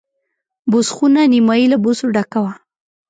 بوس خونه نیمایي له بوسو ډکه وه.